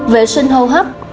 vệ sinh hô hấp